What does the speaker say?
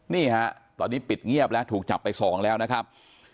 นี่ฮะตอนนี้ปิดเงียบแล้วถูกจับไปสองแล้วนะครับ